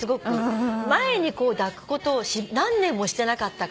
前に抱くことを何年もしてなかったから。